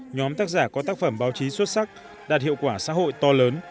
nhóm tác giả có tác phẩm báo chí xuất sắc đạt hiệu quả xã hội to lớn